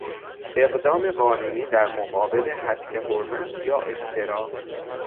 اقدام قانونی در مقابل هتک حرمت یا افترا